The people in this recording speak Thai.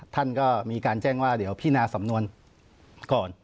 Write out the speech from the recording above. ท่านก็มีการแจ้งว่าเดี๋ยวพินาสำนวนก่อน